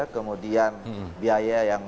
kemudian biaya yang